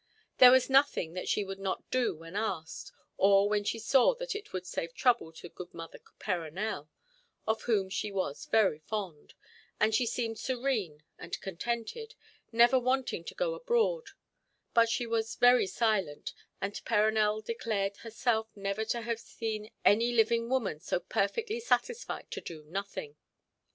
There was nothing that she would not do when asked, or when she saw that it would save trouble to good mother Perronel, of whom she was very fond, and she seemed serene and contented, never wanting to go abroad; but she was very silent, and Perronel declared herself never to have seen any living woman so perfectly satisfied to do nothing.